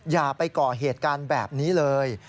อย่าไปก่อเหตุการณ์แบบนี้เลย